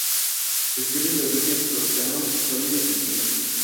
Su estilo es de orden toscano, sólido y sencillo.